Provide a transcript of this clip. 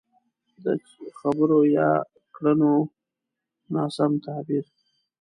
د خبرو يا کړنو ناسم تعبير.